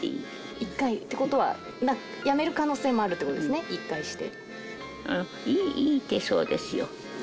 １回？ということは、やめる可能性もあるってことですね、１回して。